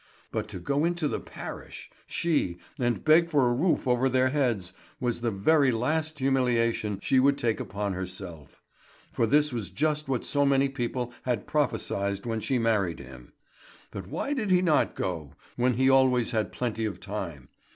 But to go into the parish she and beg for a roof over their heads, was the very last humiliation she would take upon herself; for this was just what so many people had prophesied when she married him. But why did he not go, when he always had plenty of time?